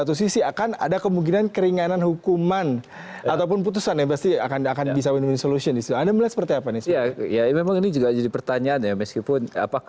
terima kasih tonton